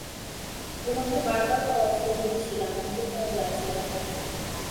তোমাকে বারবার ফোন দিচ্ছিলাম কিন্তু কল যাচ্ছিল না!